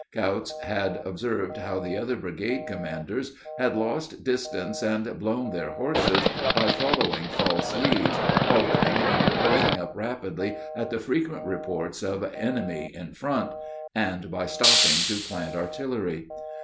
Kautz had observed how the other brigade commanders had lost distance and blown their horses by following false leads, halting and closing up rapidly at the frequent reports of "enemy in front," and by stopping to plant artillery.